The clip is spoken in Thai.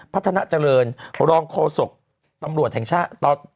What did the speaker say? พัฒนาเจริญรองโฆษกตำรวจแห่งชาติ